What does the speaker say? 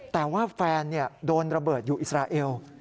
แต่ว่าแฟนโดนระเบิดอยู่อิสราเอล